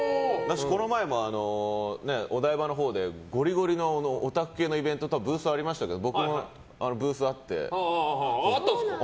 この前もお台場のほうでゴリゴリのオタク系のイベントのブースがありましたけど僕ブースあって。